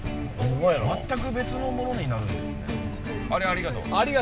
全く別のものになるんですね。